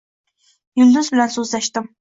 Yulduz bilan so’zlashdim.